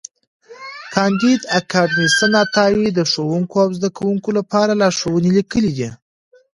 کانديد اکاډميسن عطایي د ښوونکو او زدهکوونکو لپاره لارښوونې لیکلې دي.